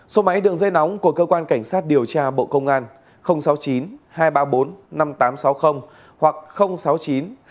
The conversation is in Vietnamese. số máy đường dây nóng của cơ quan cảnh sát điều tra bộ công an sáu mươi chín hai trăm ba mươi bốn năm nghìn tám trăm sáu mươi hoặc sáu mươi chín hai trăm ba mươi hai một nghìn sáu trăm sáu mươi bảy